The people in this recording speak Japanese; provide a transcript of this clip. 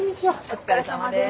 お疲れさまです。